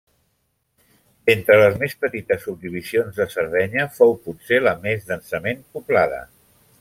D'entre les més petites subdivisions de Sardenya fou potser la més densament poblada.